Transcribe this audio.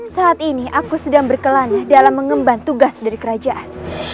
saat ini aku sedang berkelan dalam mengemban tugas dari kerajaan